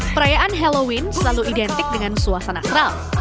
perayaan halloween selalu identik dengan suasana keral